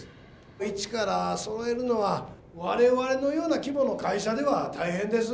一からそろえるのは我々のような規模の会社では大変です。